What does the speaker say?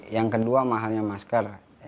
yang kedua mahalnya masker